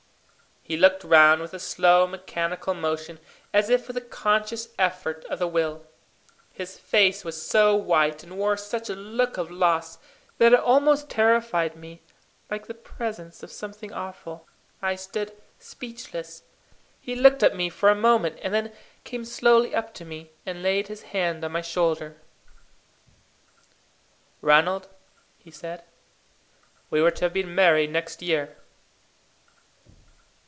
He looked round with a slow mechanical motion, as if with a conscious effort of the will. His face was so white, and wore such a look of loss, that it almost terrified me like the presence of something awful. I stood speechless. He looked at me for a moment, and then came slowly up to me, and laid his hand on my shoulder. "Ranald," he said, "we were to have been married next year."